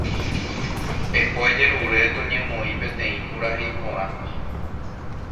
Eho ejerure toñemoĩ peteĩ purahéi porã.